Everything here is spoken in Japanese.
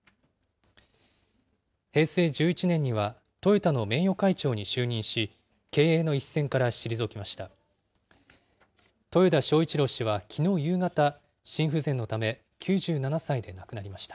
平成１１年にはトヨタの名誉会長に就任し、経営の一線から退きました。